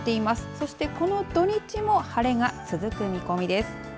そして、この土日も晴れが続く見込みです。